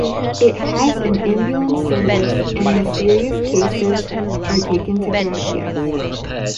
It has an ambulance service and the serious cases are taken to Gracias.